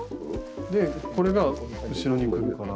でこれが後ろに来るから。